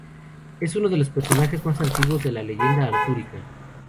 Es uno de los personajes más antiguos de la leyenda artúrica.